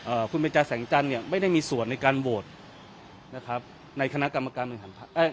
คุณเบนจาแสงจันทร์เนี่ยไม่ได้มีส่วนในการโหวตนะครับในคณะกรรมการบริหารพักเอ่อ